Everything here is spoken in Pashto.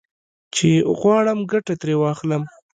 چې غواړم ګټه ترې واخلم.